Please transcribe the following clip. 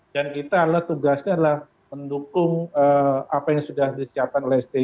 dan kita tugasnya adalah mendukung apa yang sudah disiapkan oleh stj